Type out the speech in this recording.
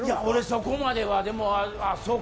そこまでは。